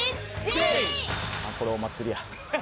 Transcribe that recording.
ああこれお祭りや。